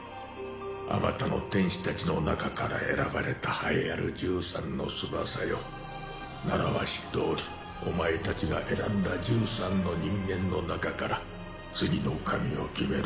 あまたの天使達の中から選ばれた栄えある１３の翼よ習わしどおりお前達が選んだ１３の人間の中から次の神を決める